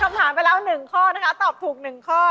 ตอบคำถามไปแล้วหนึ่งข้อนะคะตอบถูกหนึ่งข้อ